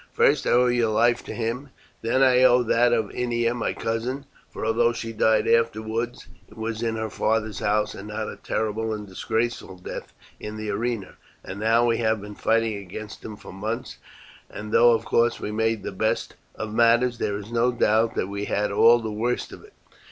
First I owe your life to him, then I owe that of Ennia, my cousin; for although she died afterwards, it was in her father's house, and not a terrible and disgraceful death in the arena. And now we have been fighting against him for months, and though of course we made the best of matters, there is no doubt that we had all the worst of it.